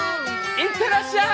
いってらっしゃい！